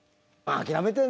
諦めてる。